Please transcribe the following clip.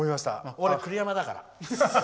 俺は栗山だから。